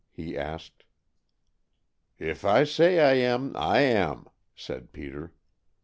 he asked. "If I say I am, I am," said Peter.